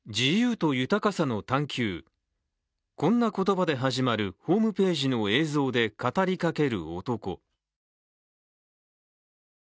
こんな言葉で始まるホームページの映像で語りかける男。